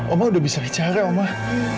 oma udah bisa bicara omah